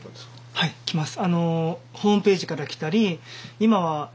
はい来ます。